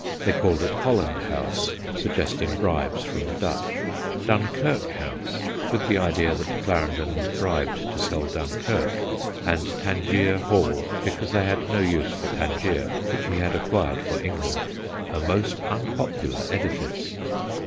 They called it Holland House, suggesting bribes from the Dutch ; Dunkirk House, with the idea that Clarendon was bribed to sell Dunkirk ; and Tangier Hall, because they had no use for Tangier, which he had acquired for England. A most unpopular edifice.